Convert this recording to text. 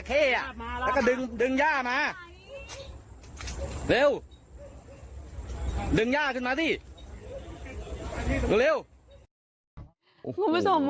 แล้วก็ดึงดึงย่ามาเร็วดึงย่าขึ้นมาสิเร็วคุณผู้ชม